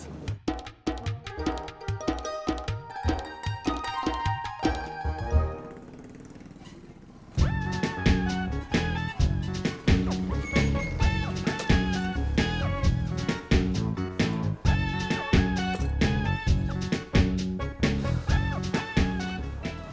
terima kasih bos